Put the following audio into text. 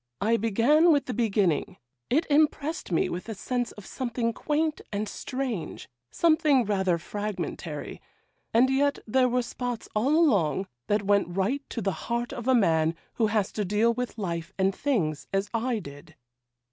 I began with the beginning; it impressed me with a sense of something quaint and strange—something rather fragmentary; and yet there were spots all along that went right to the heart of a man who has to deal with life and things as I did.